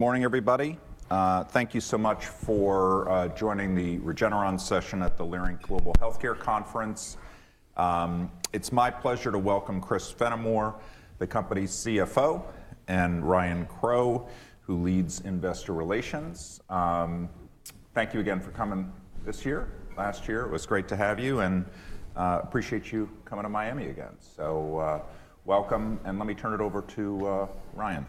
Morning, everybody. Thank you so much for joining the Regeneron session at the Leerink Global Healthcare Conference. It's my pleasure to welcome Chris Fenimore, the company's CFO, and Ryan Crowe, who leads investor relations. Thank you again for coming this year. Last year, it was great to have you, and I appreciate you coming to Miami again. Welcome, and let me turn it over to Ryan.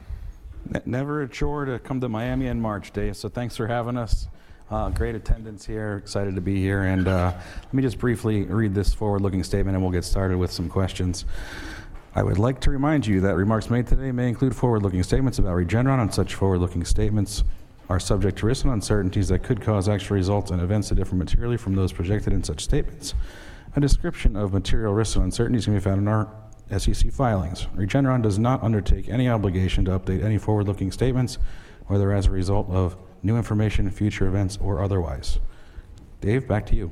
Never a chore to come to Miami in March, Dave. Thanks for having us. Great attendance here. Excited to be here. Let me just briefly read this forward-looking statement, and we'll get started with some questions. I would like to remind you that remarks made today may include forward-looking statements about Regeneron. Such forward-looking statements are subject to risks and uncertainties that could cause actual results and events to differ materially from those projected in such statements. A description of material risks and uncertainties can be found in our SEC filings. Regeneron does not undertake any obligation to update any forward-looking statements, whether as a result of new information, future events, or otherwise. Dave, back to you.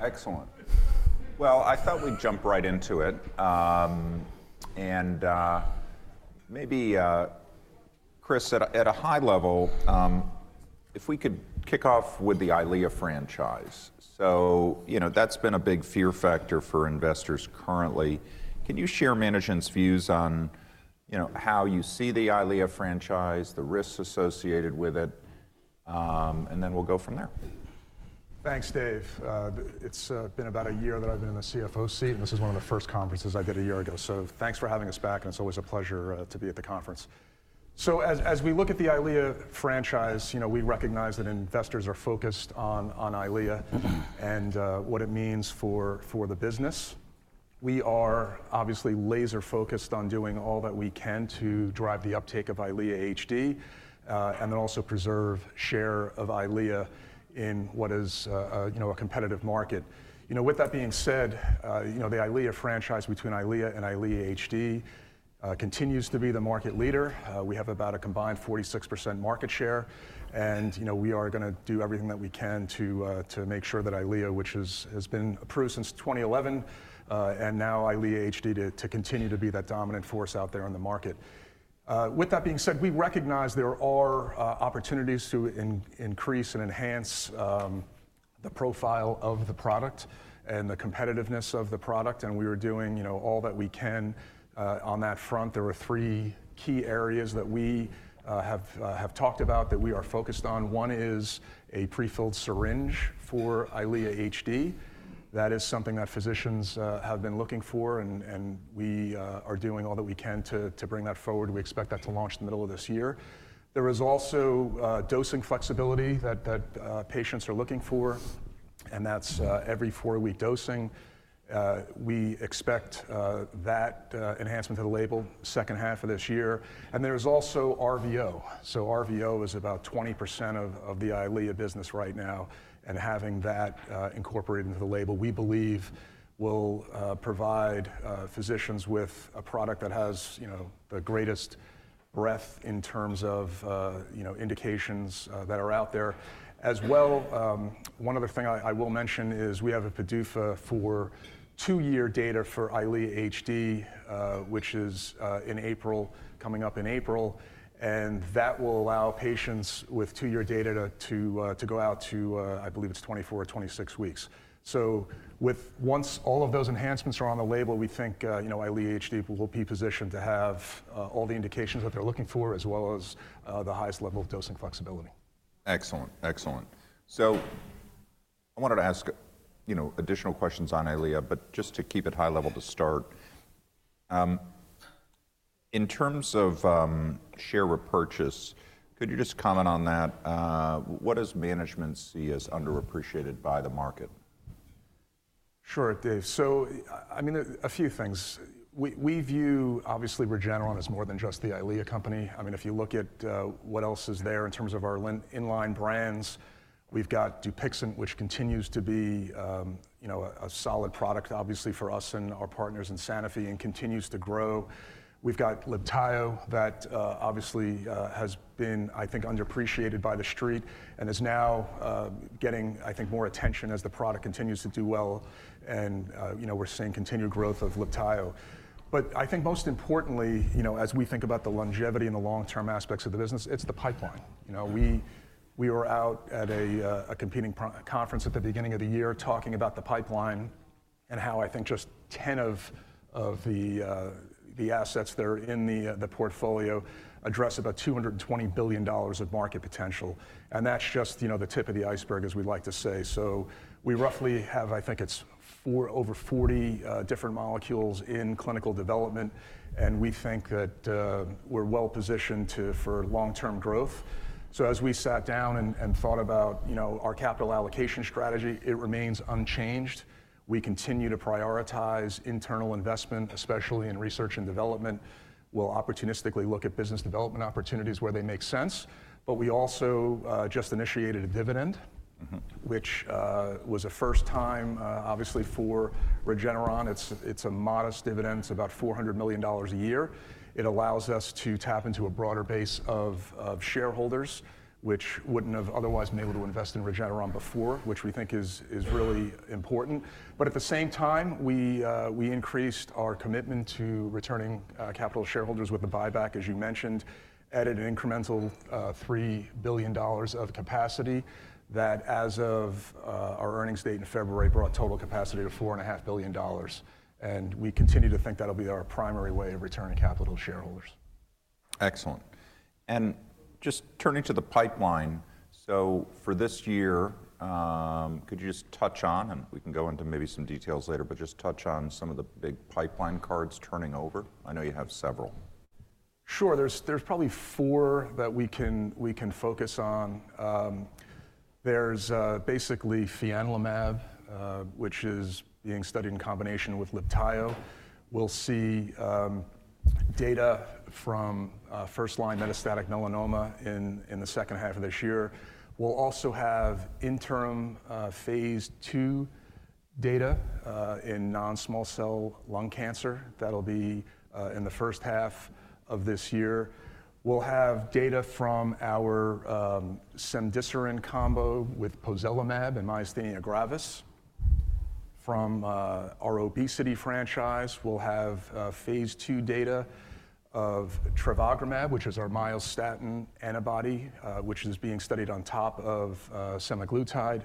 Excellent. I thought we'd jump right into it. Maybe, Chris, at a high level, if we could kick off with the Eylea franchise. That's been a big fear factor for investors currently. Can you share management's views on how you see the Eylea franchise, the risks associated with it? We'll go from there. Thanks, Dave. It's been about a year that I've been in the CFO seat, and this is one of the first conferences I did a year ago. Thanks for having us back, and it's always a pleasure to be at the conference. As we look at the Eylea franchise, we recognize that investors are focused on Eylea and what it means for the business. We are obviously laser-focused on doing all that we can to drive the uptake of Eylea HD and then also preserve the share of Eylea in what is a competitive market. That being said, the Eylea franchise between Eylea and Eylea HD continues to be the market leader. We have about a combined 46% market share, and we are going to do everything that we can to make sure that Eylea, which has been approved since 2011, and now Eylea HD, continue to be that dominant force out there in the market. With that being said, we recognize there are opportunities to increase and enhance the profile of the product and the competitiveness of the product, and we are doing all that we can on that front. There are three key areas that we have talked about that we are focused on. One is a prefilled syringe for Eylea HD. That is something that physicians have been looking for, and we are doing all that we can to bring that forward. We expect that to launch in the middle of this year. There is also dosing flexibility that patients are looking for, and that's every four-week dosing. We expect that enhancement to the label the second half of this year. There is also RVO. RVO is about 20% of the Eylea business right now, and having that incorporated into the label, we believe, will provide physicians with a product that has the greatest breadth in terms of indications that are out there. As well, one other thing I will mention is we have a PDUFA for two-year data for Eylea HD, which is in April, coming up in April. That will allow patients with two-year data to go out to, I believe it's 24 or 26 weeks. Once all of those enhancements are on the label, we think Eylea HD will be positioned to have all the indications that they're looking for, as well as the highest level of dosing flexibility. Excellent. Excellent. I wanted to ask additional questions on Eylea, but just to keep it high level to start. In terms of share repurchase, could you just comment on that? What does management see as underappreciated by the market? Sure, Dave. I mean, a few things. We view, obviously, Regeneron as more than just the Eylea company. I mean, if you look at what else is there in terms of our inline brands, we've got Dupixent, which continues to be a solid product, obviously, for us and our partners in Sanofi and continues to grow. We've got Libtayo that obviously has been, I think, underappreciated by the street and is now getting, I think, more attention as the product continues to do well. We're seeing continued growth of Libtayo. I think most importantly, as we think about the longevity and the long-term aspects of the business, it's the pipeline. We were out at a competing conference at the beginning of the year talking about the pipeline and how I think just 10 of the assets that are in the portfolio address about $220 billion of market potential. That's just the tip of the iceberg, as we like to say. We roughly have, I think it's over 40 different molecules in clinical development, and we think that we're well positioned for long-term growth. As we sat down and thought about our capital allocation strategy, it remains unchanged. We continue to prioritize internal investment, especially in research and development. We'll opportunistically look at business development opportunities where they make sense. We also just initiated a dividend, which was a first time, obviously, for Regeneron. It's a modest dividend. It's about $400 million a year. It allows us to tap into a broader base of shareholders, which wouldn't have otherwise been able to invest in Regeneron before, which we think is really important. At the same time, we increased our commitment to returning capital to shareholders with the buyback, as you mentioned, added an incremental $3 billion of capacity that, as of our earnings date in February, brought total capacity to $4.5 billion. We continue to think that'll be our primary way of returning capital to shareholders. Excellent. Just turning to the pipeline, for this year, could you just touch on, and we can go into maybe some details later, but just touch on some of the big pipeline cards turning over? I know you have several. Sure. There's probably four that we can focus on. There's basically fianlimab, which is being studied in combination with Libtayo. We'll see data from first-line metastatic melanoma in the second half of this year. We'll also have interim phase two data in non-small cell lung cancer. That'll be in the first half of this year. We'll have data from our cemdisiran combo with pozelimab in myasthenia gravis. From our obesity franchise, we'll have phase two data of trevogrumab, which is our myostatin antibody, which is being studied on top of semaglutide,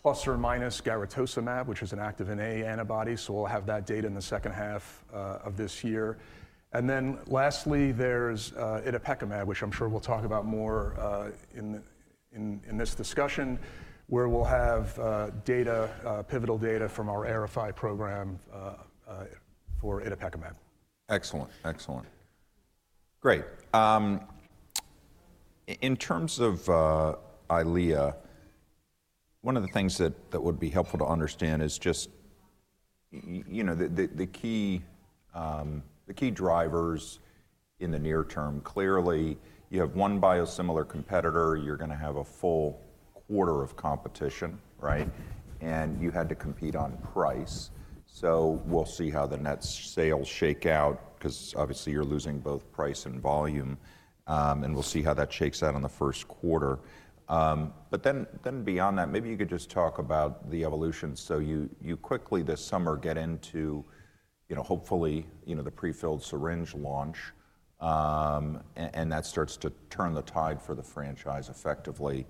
plus or minus garetosmab, which is an activin A antibody. We'll have that data in the second half of this year. Lastly, there's itepekimab, which I'm sure we'll talk about more in this discussion, where we'll have pivotal data from our AERIFY program for itepekimab. Excellent. Excellent. Great. In terms of Eylea, one of the things that would be helpful to understand is just the key drivers in the near term. Clearly, you have one biosimilar competitor. You're going to have a full quarter of competition, right? You had to compete on price. We'll see how the net sales shake out because, obviously, you're losing both price and volume. We'll see how that shakes out in the first quarter. Beyond that, maybe you could just talk about the evolution. You quickly this summer get into, hopefully, the prefilled syringe launch, and that starts to turn the tide for the franchise effectively.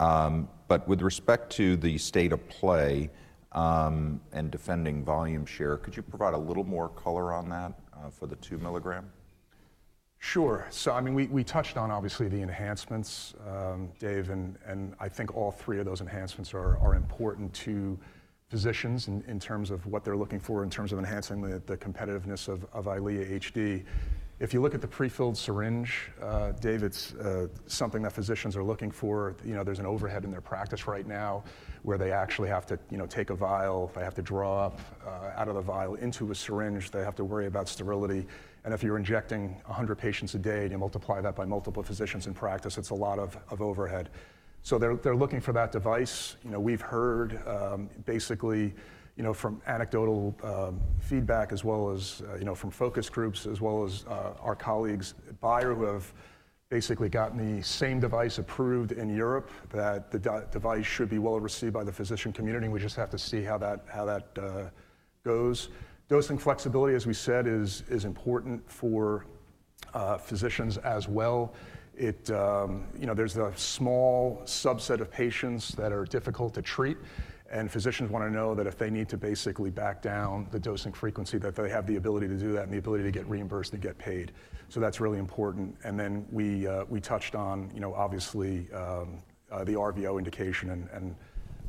With respect to the state of play and defending volume share, could you provide a little more color on that for the 2 mg? Sure. I mean, we touched on, obviously, the enhancements, Dave, and I think all three of those enhancements are important to physicians in terms of what they're looking for in terms of enhancing the competitiveness of Eylea HD. If you look at the prefilled syringe, Dave, it's something that physicians are looking for. There's an overhead in their practice right now where they actually have to take a vial. They have to draw out of the vial into a syringe. They have to worry about sterility. If you're injecting 100 patients a day and you multiply that by multiple physicians in practice, it's a lot of overhead. They're looking for that device. We've heard basically from anecdotal feedback as well as from focus groups as well as our colleagues at Bayer who have basically gotten the same device approved in Europe that the device should be well received by the physician community. We just have to see how that goes. Dosing flexibility, as we said, is important for physicians as well. There's a small subset of patients that are difficult to treat, and physicians want to know that if they need to basically back down the dosing frequency, that they have the ability to do that and the ability to get reimbursed and get paid. That's really important. We touched on, obviously, the RVO indication and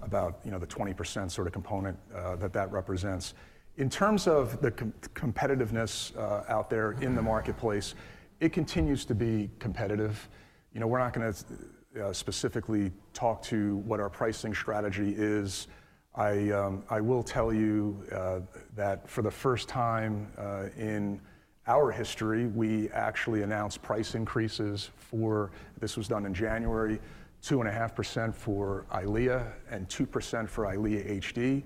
about the 20% sort of component that that represents. In terms of the competitiveness out there in the marketplace, it continues to be competitive. We're not going to specifically talk to what our pricing strategy is. I will tell you that for the first time in our history, we actually announced price increases for this was done in January, 2.5% for Eylea and 2% for Eylea HD.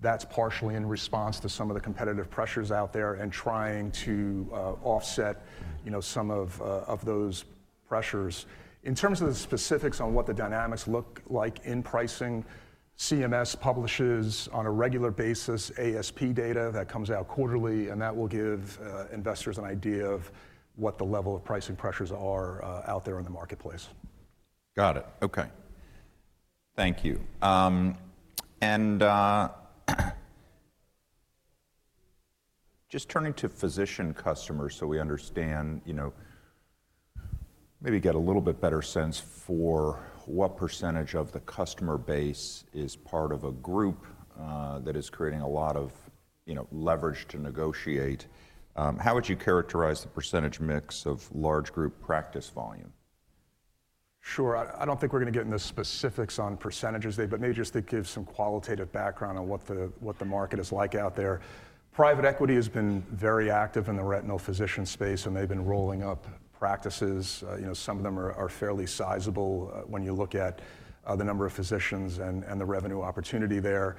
That's partially in response to some of the competitive pressures out there and trying to offset some of those pressures. In terms of the specifics on what the dynamics look like in pricing, CMS publishes on a regular basis ASP data that comes out quarterly, and that will give investors an idea of what the level of pricing pressures are out there in the marketplace. Got it. Okay. Thank you. Just turning to physician customers so we understand, maybe get a little bit better sense for what percentage of the customer base is part of a group that is creating a lot of leverage to negotiate. How would you characterize the percentage mix of large group practice volume? Sure. I don't think we're going to get into specifics on percentages, Dave, but maybe just to give some qualitative background on what the market is like out there. Private equity has been very active in the retinal physician space, and they've been rolling up practices. Some of them are fairly sizable when you look at the number of physicians and the revenue opportunity there.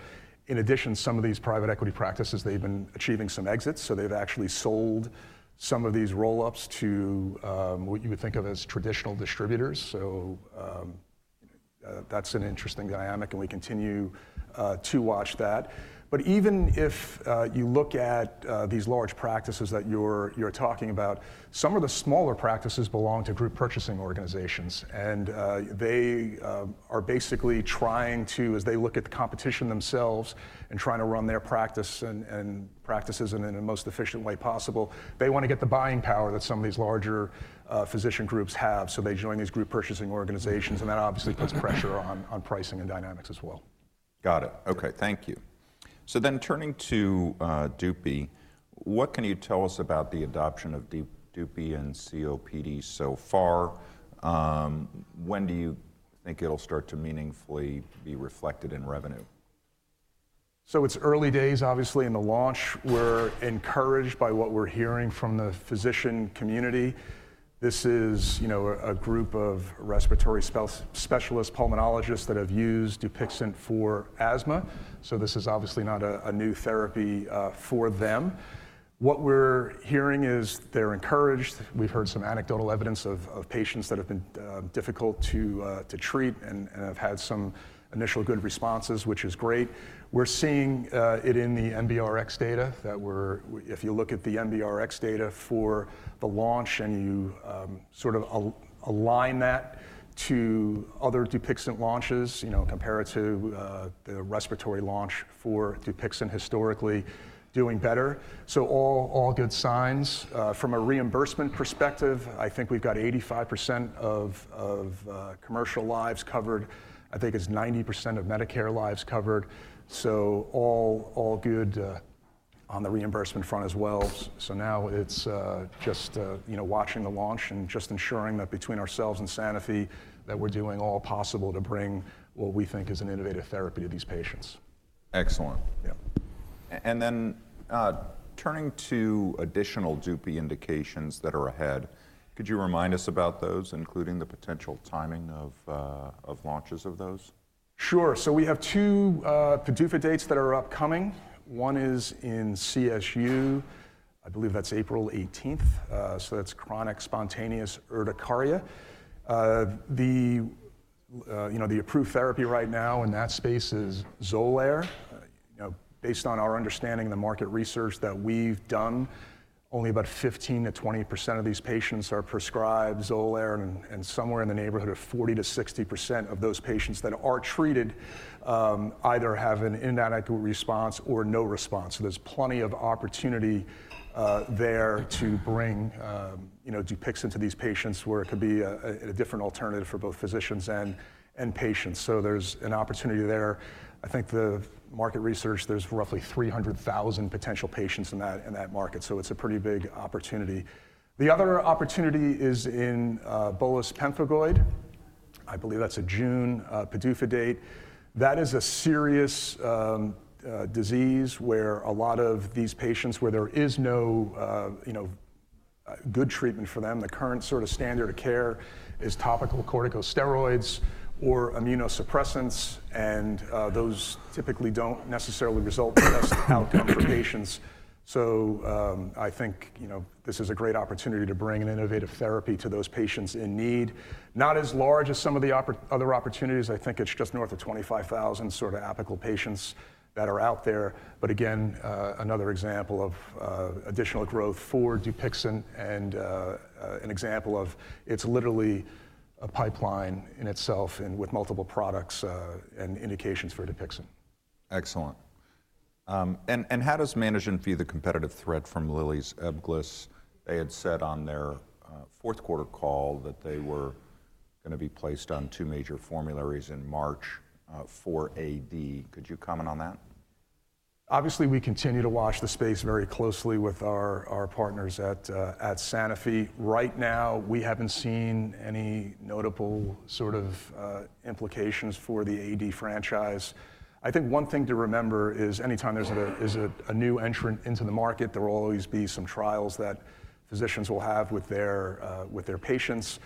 In addition, some of these private equity practices, they've been achieving some exits. They've actually sold some of these roll-ups to what you would think of as traditional distributors. That's an interesting dynamic, and we continue to watch that. Even if you look at these large practices that you're talking about, some of the smaller practices belong to group purchasing organizations. They are basically trying to, as they look at the competition themselves and trying to run their practices in the most efficient way possible, they want to get the buying power that some of these larger physician groups have. They join these group purchasing organizations, and that obviously puts pressure on pricing and dynamics as well. Got it. Okay. Thank you. Turning to Dupixent, what can you tell us about the adoption of Dupixent in COPD so far? When do you think it will start to meaningfully be reflected in revenue? It's early days, obviously, in the launch. We're encouraged by what we're hearing from the physician community. This is a group of respiratory specialists, pulmonologists that have used Dupixent for asthma. This is obviously not a new therapy for them. What we're hearing is they're encouraged. We've heard some anecdotal evidence of patients that have been difficult to treat and have had some initial good responses, which is great. We're seeing it in the NBRx data that if you look at the NBRx data for the launch and you sort of align that to other Dupixent launches, compare it to the respiratory launch for Dupixent historically doing better. All good signs. From a reimbursement perspective, I think we've got 85% of commercial lives covered. I think it's 90% of Medicare lives covered. All good on the reimbursement front as well. Now it's just watching the launch and just ensuring that between ourselves and Sanofi that we're doing all possible to bring what we think is an innovative therapy to these patients. Excellent. Turning to additional Dupixent indications that are ahead, could you remind us about those, including the potential timing of launches of those? Sure. We have two PDUFA dates that are upcoming. One is in CSU. I believe that's April 18th. That's chronic spontaneous urticaria. The approved therapy right now in that space is Xolair. Based on our understanding and the market research that we've done, only about 15%-20% of these patients are prescribed Xolair, and somewhere in the neighborhood of 40%-60% of those patients that are treated either have an inadequate response or no response. There's plenty of opportunity there to bring Dupixent to these patients where it could be a different alternative for both physicians and patients. There's an opportunity there. I think the market research, there's roughly 300,000 potential patients in that market. It's a pretty big opportunity. The other opportunity is in bullous pemphigoid. I believe that's a June PDUFA date. That is a serious disease where a lot of these patients where there is no good treatment for them. The current sort of standard of care is topical corticosteroids or immunosuppressants, and those typically do not necessarily result in the best outcome for patients. I think this is a great opportunity to bring an innovative therapy to those patients in need. Not as large as some of the other opportunities. I think it is just north of 25,000 sort of apical patients that are out there. Again, another example of additional growth for Dupixent and an example of it is literally a pipeline in itself and with multiple products and indications for Dupixent. Excellent. How does management feel the competitive threat from Lilly's Ebglyss? They had said on their fourth quarter call that they were going to be placed on two major formularies in March for AD. Could you comment on that? Obviously, we continue to watch the space very closely with our partners at Sanofi. Right now, we haven't seen any notable sort of implications for the AD franchise. I think one thing to remember is anytime there's a new entrant into the market, there will always be some trials that physicians will have with their patients.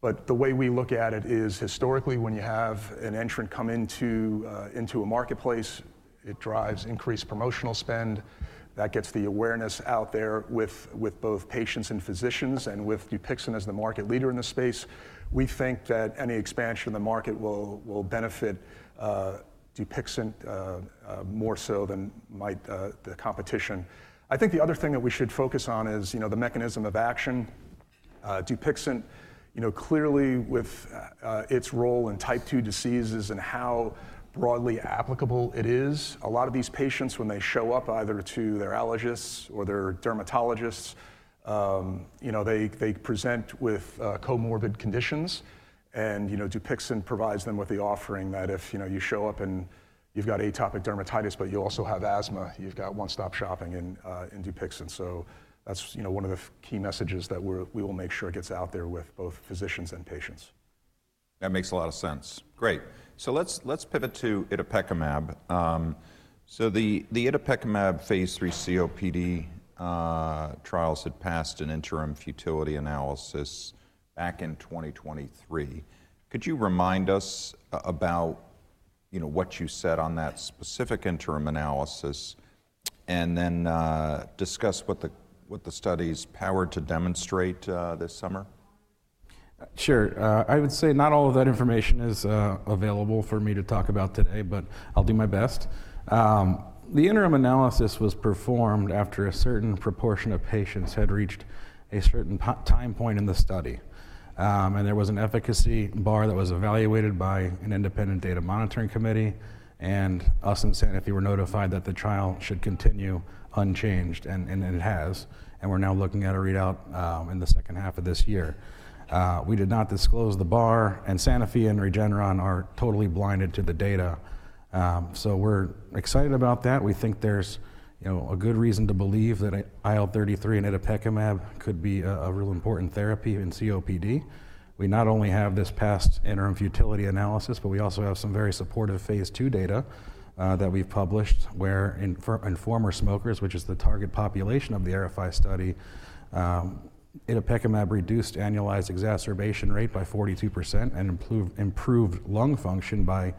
The way we look at it is historically when you have an entrant come into a marketplace, it drives increased promotional spend. That gets the awareness out there with both patients and physicians and with Dupixent as the market leader in the space. We think that any expansion of the market will benefit Dupixent more so than might the competition. I think the other thing that we should focus on is the mechanism of action. Dupixent, clearly with its role in type 2 diseases and how broadly applicable it is, a lot of these patients when they show up either to their allergists or their dermatologists, they present with comorbid conditions. Dupixent provides them with the offering that if you show up and you've got atopic dermatitis, but you also have asthma, you've got one-stop shopping in Dupixent. That is one of the key messages that we will make sure gets out there with both physicians and patients. That makes a lot of sense. Great. Let's pivot to itepekimab. The itepekimab phase 3 COPD trials had passed an interim futility analysis back in 2023. Could you remind us about what you said on that specific interim analysis and then discuss what the study's power to demonstrate this summer? Sure. I would say not all of that information is available for me to talk about today, but I'll do my best. The interim analysis was performed after a certain proportion of patients had reached a certain time point in the study. There was an efficacy bar that was evaluated by an independent data monitoring committee. Us and Sanofi were notified that the trial should continue unchanged, and it has. We are now looking at a readout in the second half of this year. We did not disclose the bar, and Sanofi and Regeneron are totally blinded to the data. We are excited about that. We think there's a good reason to believe that IL-33 and itepekimab could be a real important therapy in COPD. We not only have this past interim futility analysis, but we also have some very supportive phase II data that we've published where in former smokers, which is the target population of the AERIFY study, itepekimab reduced annualized exacerbation rate by 42% and improved lung function by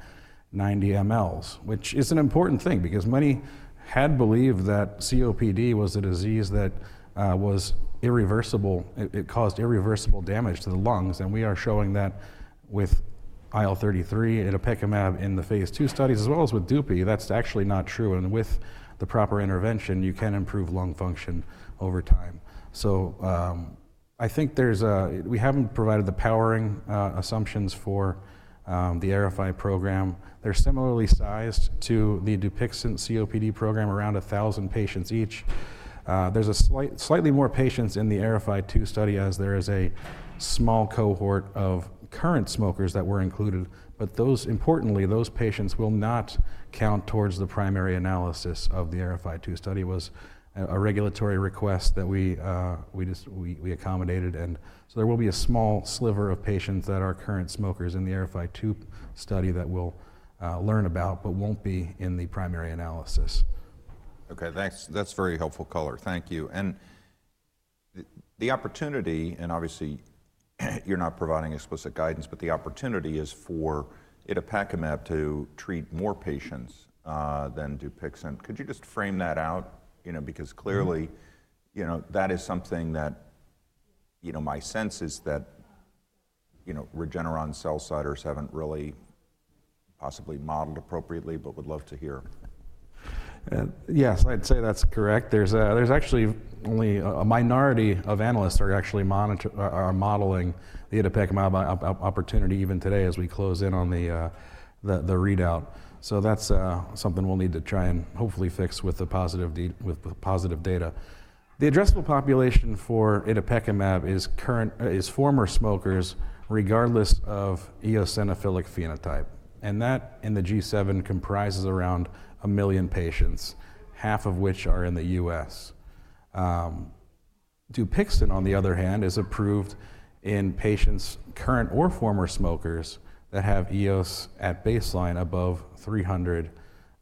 90 mL, which is an important thing because many had believed that COPD was a disease that was irreversible. It caused irreversible damage to the lungs. We are showing that with IL-33, itepekimab in the phase II studies, as well as with Dupixent, that's actually not true. With the proper intervention, you can improve lung function over time. I think we haven't provided the powering assumptions for the AERIFY program. They're similarly sized to the Dupixent COPD program, around 1,000 patients each. There's slightly more patients in the AERIFY-2 study as there is a small cohort of current smokers that were included. Importantly, those patients will not count towards the primary analysis of the AERIFY-2 study. It was a regulatory request that we accommodated. There will be a small sliver of patients that are current smokers in the AERIFY-2 study that we'll learn about, but won't be in the primary analysis. Okay. That's very helpful color. Thank you. The opportunity, and obviously you're not providing explicit guidance, but the opportunity is for itepekimab to treat more patients than Dupixent. Could you just frame that out? Because clearly that is something that my sense is that Regeneron sell-siders haven't really possibly modeled appropriately, but would love to hear. Yes, I'd say that's correct. There's actually only a minority of analysts are actually modeling the itepekimab opportunity even today as we close in on the readout. That's something we'll need to try and hopefully fix with the positive data. The addressable population for itepekimab is former smokers regardless of eosinophilic phenotype. That in the G7 comprises around 1 million patients, half of which are in the U.S. Dupixent, on the other hand, is approved in patients current or former smokers that have EOS at baseline above 300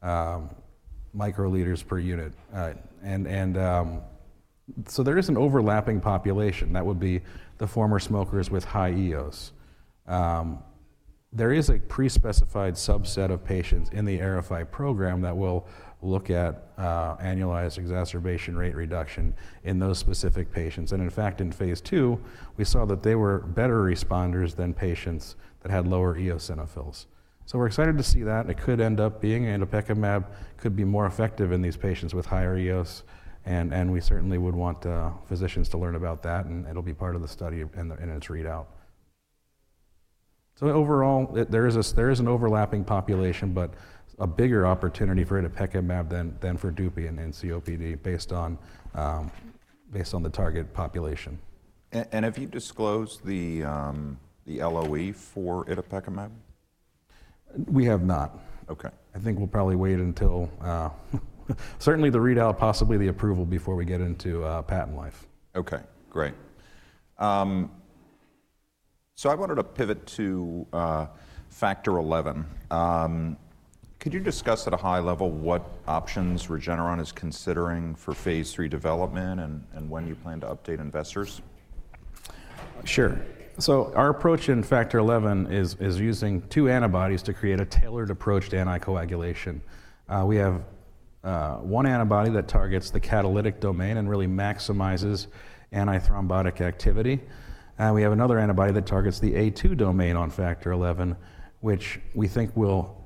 µL per unit. There is an overlapping population. That would be the former smokers with high EOS. There is a pre-specified subset of patients in the AERIFY program that will look at annualized exacerbation rate reduction in those specific patients. In fact, in phase II, we saw that they were better responders than patients that had lower eosinophils. We are excited to see that. It could end up being itepekimab could be more effective in these patients with higher EOS. We certainly would want physicians to learn about that. It will be part of the study in its readout. Overall, there is an overlapping population, but a bigger opportunity for itepekimab than for Dupixent in COPD based on the target population. Have you disclosed the LOE for itepekimab? We have not. I think we'll probably wait until certainly the readout, possibly the approval before we get into patent life. Okay. Great. I wanted to pivot to Factor XI. Could you discuss at a high level what options Regeneron is considering for phase III development and when you plan to update investors? Sure. Our approach in Factor XI is using two antibodies to create a tailored approach to anticoagulation. We have one antibody that targets the catalytic domain and really maximizes antithrombotic activity. We have another antibody that targets the A2 domain on Factor XI, which we think will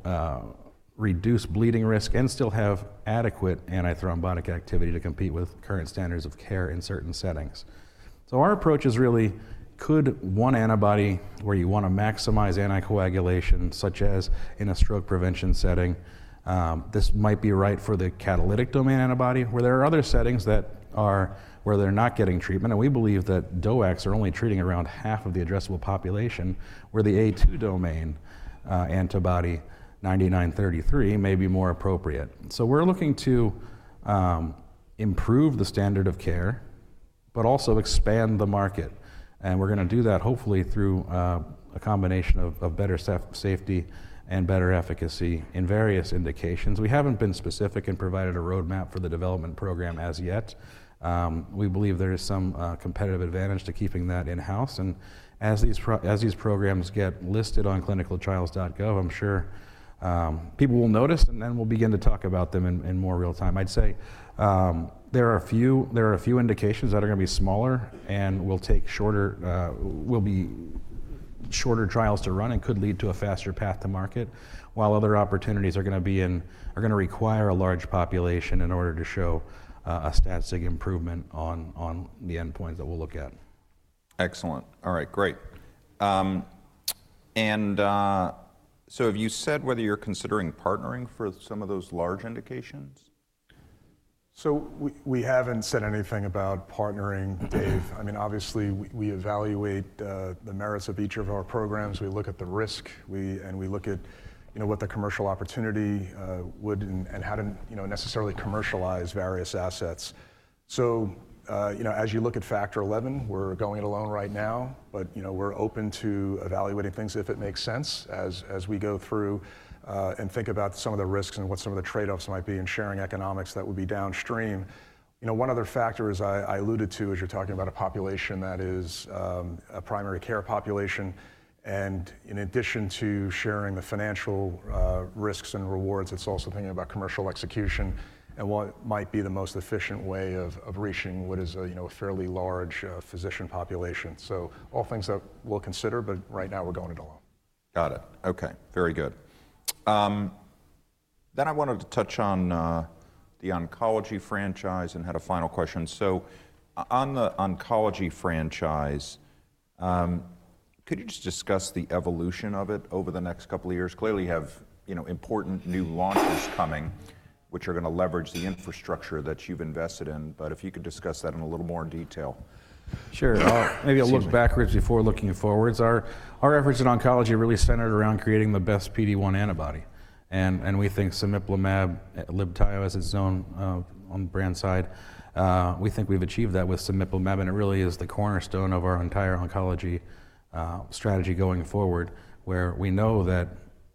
reduce bleeding risk and still have adequate antithrombotic activity to compete with current standards of care in certain settings. Our approach is really could one antibody where you want to maximize anticoagulation, such as in a stroke prevention setting, this might be right for the catalytic domain antibody where there are other settings that are where they're not getting treatment. We believe that DOACs are only treating around half of the addressable population where the A2 domain antibody 9933 may be more appropriate. We're looking to improve the standard of care, but also expand the market. We are going to do that hopefully through a combination of better safety and better efficacy in various indications. We have not been specific and provided a roadmap for the development program as yet. We believe there is some competitive advantage to keeping that in-house. As these programs get listed on clinicaltrials.gov, I am sure people will notice and then we will begin to talk about them in more real time. I would say there are a few indications that are going to be smaller and will take shorter trials to run and could lead to a faster path to market, while other opportunities are going to require a large population in order to show a static improvement on the endpoints that we will look at. Excellent. All right. Great. Have you said whether you're considering partnering for some of those large indications? We have not said anything about partnering, Dave. I mean, obviously we evaluate the merits of each of our programs. We look at the risk and we look at what the commercial opportunity would be and how to necessarily commercialize various assets. As you look at Factor XI, we are going it alone right now, but we are open to evaluating things if it makes sense as we go through and think about some of the risks and what some of the trade-offs might be in sharing economics that would be downstream. One other factor I alluded to is you are talking about a population that is a primary care population. In addition to sharing the financial risks and rewards, it is also thinking about commercial execution and what might be the most efficient way of reaching what is a fairly large physician population. All things that we'll consider, but right now we're going it alone. Got it. Okay. Very good. I wanted to touch on the oncology franchise and had a final question. On the oncology franchise, could you just discuss the evolution of it over the next couple of years? Clearly you have important new launches coming, which are going to leverage the infrastructure that you've invested in, but if you could discuss that in a little more detail. Sure. Maybe I'll look backwards before looking forwards. Our efforts in oncology are really centered around creating the best PD-1 antibody. We think Libtayo, as its own on the brand side, we think we've achieved that with Libtayo. It really is the cornerstone of our entire oncology strategy going forward where we know that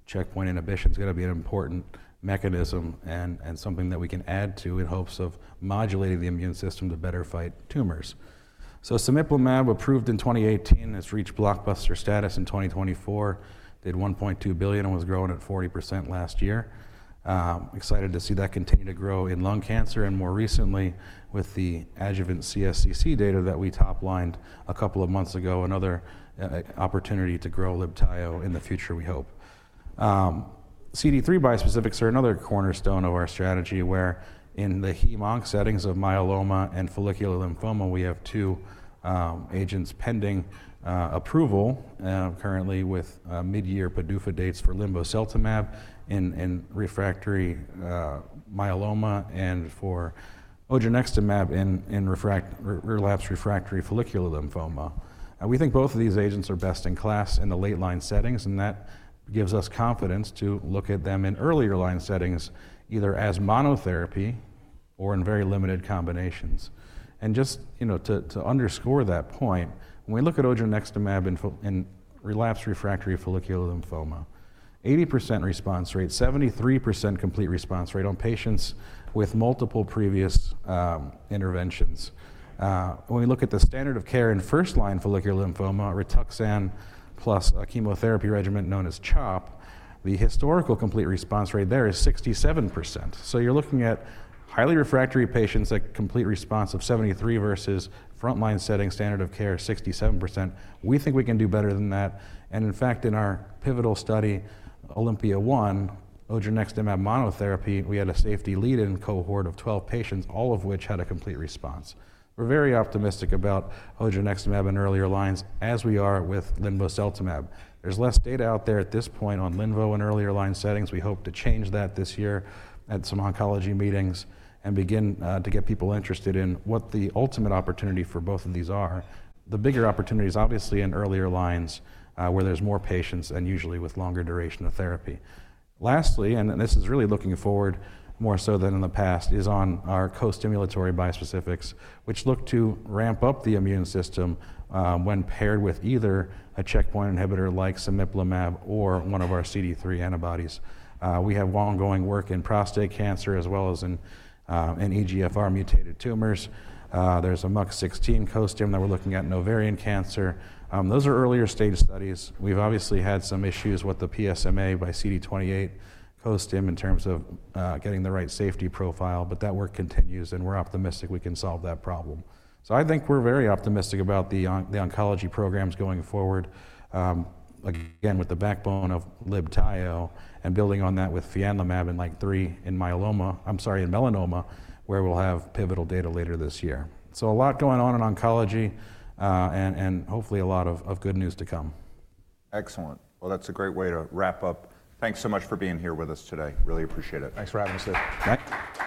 checkpoint inhibition is going to be an important mechanism and something that we can add to in hopes of modulating the immune system to better fight tumors. Libtayo approved in 2018, has reached blockbuster status in 2024, did $1.2 billion and was growing at 40% last year. Excited to see that continue to grow in lung cancer and more recently with the adjuvant CSCC data that we toplined a couple of months ago, another opportunity to grow Libtayo in the future, we hope. CD3 bispecifics are another cornerstone of our strategy where in the hem/onc settings of myeloma and follicular lymphoma, we have two agents pending approval currently with mid-year PDUFA dates for linvoseltamab in refractory myeloma and for odronextamab in relapsed refractory follicular lymphoma. We think both of these agents are best in class in the late line settings. That gives us confidence to look at them in earlier line settings either as monotherapy or in very limited combinations. Just to underscore that point, when we look at odronextamab in relapsed refractory follicular lymphoma, 80% response rate, 73% complete response rate on patients with multiple previous interventions. When we look at the standard of care in first line follicular lymphoma, Rituxan plus a chemotherapy regimen known as CHOP, the historical complete response rate there is 67%. You're looking at highly refractory patients that complete response of 73% versus frontline setting standard of care 67%. We think we can do better than that. In fact, in our pivotal study, Olympia 1, odronextamab monotherapy, we had a safety lead-in cohort of 12 patients, all of which had a complete response. We're very optimistic about odronextamab in earlier lines as we are with linvoseltamab. There's less data out there at this point on linvoseltamab in earlier line settings. We hope to change that this year at some oncology meetings and begin to get people interested in what the ultimate opportunity for both of these are. The bigger opportunity is obviously in earlier lines where there's more patients and usually with longer duration of therapy. Lastly, and this is really looking forward more so than in the past, is on our co-stimulatory bispecifics, which look to ramp up the immune system when paired with either a checkpoint inhibitor like Libtayo or one of our CD3 antibodies. We have ongoing work in prostate cancer as well as in EGFR mutated tumors. There's a MUC16 co-stim that we're looking at in ovarian cancer. Those are earlier stage studies. We've obviously had some issues with the PSMA by CD28 co-stim in terms of getting the right safety profile, but that work continues and we're optimistic we can solve that problem. I think we're very optimistic about the oncology programs going forward, again with the backbone of Libtayo and building on that with fianlimab in, LAG-3 in myeloma, I'm sorry, in melanoma where we'll have pivotal data later this year. A lot going on in oncology and hopefully a lot of good news to come. Excellent. That is a great way to wrap up. Thanks so much for being here with us today. Really appreciate it. Thanks for having us here. Thanks.